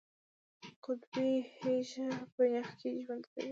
قطبي هیږه په یخ کې ژوند کوي